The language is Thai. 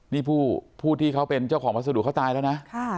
นี่ผู้ที่เขาเป็นเจ้าของวัสดุเขาตายแล้วนะ